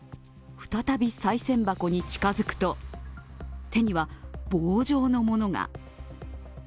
再びさい銭箱に近づくと手には棒状のものが。